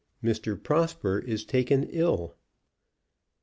MR. PROSPER IS TAKEN ILL.